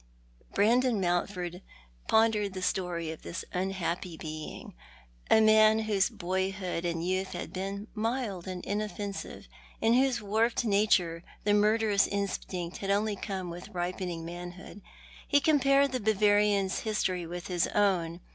Brandon Mountford pondered the story of this unbappy l)eing; a man whose boyhood and youth had been mild and inoffensive ; in whose warped nature the murderous instinct had only come with ripening manhood. He compared the Bavarian's history with his own.